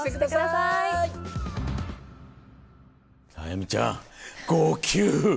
あやみちゃん号泣！